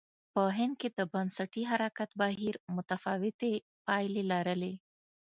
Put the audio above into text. په هند کې د بنسټي حرکت بهیر متفاوتې پایلې لرلې.